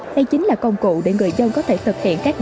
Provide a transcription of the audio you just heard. đây chính là công cụ để người dân có thể thực hiện các